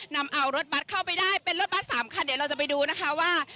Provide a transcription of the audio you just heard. นำเอารถบัตรเข้าไปได้เป็นรถบัตร๓คันเดี๋ยวเราจะไปดูนะคะว่า